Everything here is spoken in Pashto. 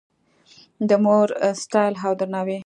د مور ستایل او درناوی